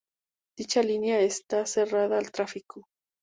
Dicha línea está cerrada al tráfico.